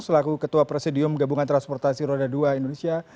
selaku ketua presidium gabungan transportasi roda dua indonesia